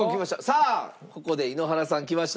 さあここで井ノ原さんきました。